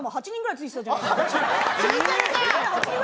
ついてるか！！